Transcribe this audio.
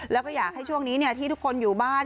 แล้วก็อยากให้ช่วงนี้ที่ทุกคนอยู่บ้าน